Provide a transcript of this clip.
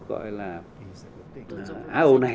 hà âu này